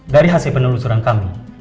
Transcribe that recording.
dari hasil penelusuran kami